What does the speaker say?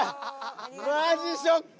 マジショック！